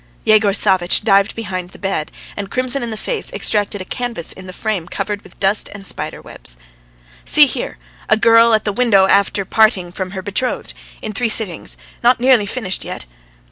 Yegor Savvitch dived behind the bed, and crimson in the face, extracted a canvas in a frame covered with dust and spider webs. "See here. ... A girl at the window after parting from her betrothed. In three sittings. Not nearly finished yet."